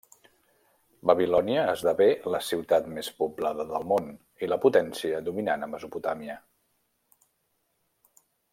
Babilònia esdevé la ciutat més poblada del món i la potència dominant a Mesopotàmia.